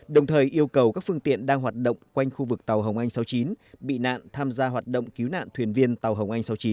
đồng thời yêu cầu các phương tiện đang hoạt động quanh khu vực tàu hồng anh sáu mươi chín bị nạn tham gia hoạt động cứu nạn thuyền viên tàu hồng anh sáu mươi chín